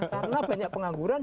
karena banyak pengangguran